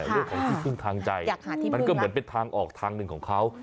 เรื่องของที่พึ่งทางใจมันก็เหมือนเป็นทางออกทางหนึ่งของเขา